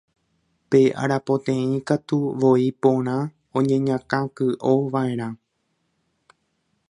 Pe arapoteĩ katu, voi porã oñeñakãky'ova'erã